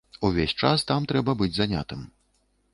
Увесь час там трэба быць занятым.